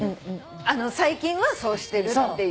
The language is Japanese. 最近はそうしてるっていうね体でね。